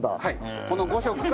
この５色から。